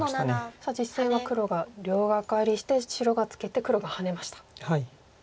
実戦は黒が両ガカリして白がツケて黒がハネました。